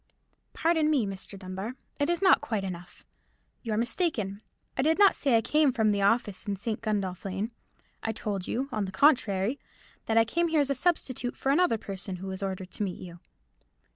"Pardon me, Mr. Dunbar, it is not quite enough. You are mistaken: I did not say I came from the office in St. Gundolph Lane. I told you, on the contrary, that I came here as a substitute for another person, who was ordered to meet you."